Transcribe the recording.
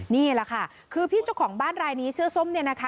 นี่แหละค่ะคือพี่เจ้าของบ้านรายนี้เสื้อส้มเนี่ยนะคะ